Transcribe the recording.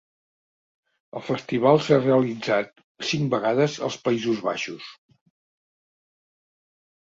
El festival s'ha realitzat cinc vegades als Països Baixos.